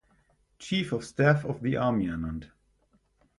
Chief of Staff of the Army ernannt.